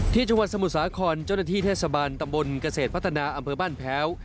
จังหวัดสมุทรสาครเจ้าหน้าที่เทศบาลตำบลเกษตรพัฒนาอำเภอบ้านแพ้ว